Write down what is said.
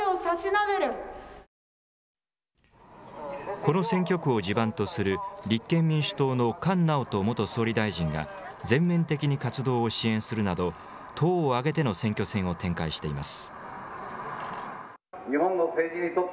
この選挙区を地盤とする立憲民主党の菅直人元総理大臣が全面的に活動を支援するなど党を挙げての選挙戦を展開しています。